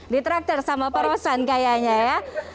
di tractor sama perasan kayaknya ya